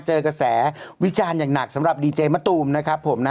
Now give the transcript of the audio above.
เจอกระแสวิจารณ์อย่างหนักสำหรับดีเจมะตูมนะครับผมนะ